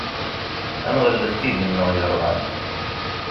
Ad nɣellet tidi-nneɣ yerɣan.